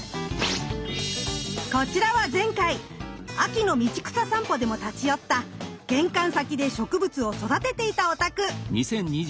こちらは前回秋の道草さんぽでも立ち寄った玄関先で植物を育てていたお宅。